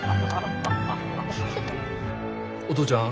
お父ちゃん